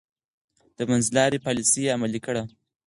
د منځلارۍ پاليسي يې عملي کړه.